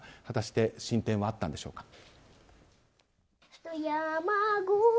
果たして進展はあったんでしょうか。